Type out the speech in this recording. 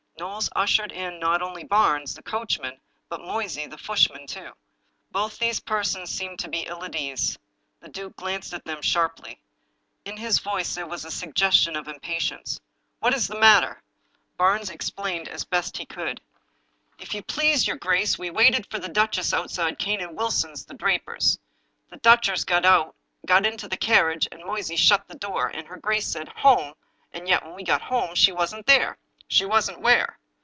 Knowles ushered in not only Barnes, the coachman, but Moysey, the footman, too. Both these persons seemed to be ill at ease. The duke glanced at them sharply. In liis voice there was a suggestion of impatience. " What is the matter? " Barnes explained as best he could. 274 The Lost Duchess " If you please, your grace, we waited for the duchess outside Cane and Wilson's, the drapers. The duchess came out, got into the carriage, and Moysey shut the door, and her grace said, ' Home I ' and yet when we got home she wasn't there." "She wasn't where?"